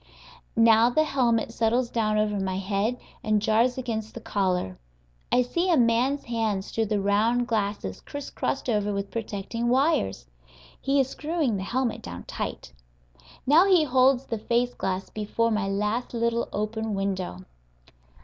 Now the helmet settles down over my head and jars against the collar. I see a man's hands through the round glasses crisscrossed over with protecting wires; he is screwing the helmet down tight. Now he holds the face glass before my last little open window.